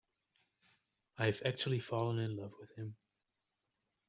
I've actually fallen in love with him.